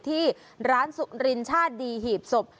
ที่ร้านสุรินชาติดีหีบศพ